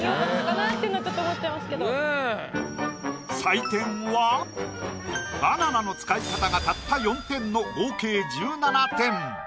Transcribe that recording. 採点はバナナの使い方がたった４点の合計１７点。